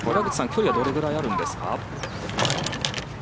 距離はどれぐらいあるんですか？